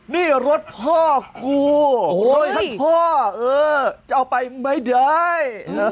นี่รถพ่อกูรถท่านพ่อเออจะเอาไปไม่ได้